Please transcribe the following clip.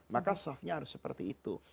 maka softnya harus seperti itu